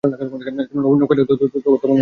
নৌকায় যখন ডাকাতি হয়, তখন ডাকাতরা কী করে, জান?